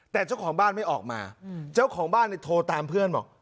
แต่เจ้าของบ้านไม่ออกมาเจ้าของบ้านเนี่ยโทรตามเพื่อนบอก